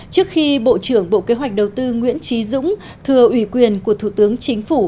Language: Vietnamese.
trước khi bộ trưởng bộ kế hoạch đầu tư nguyễn trí dũng thừa ủy quyền của thủ tướng chính phủ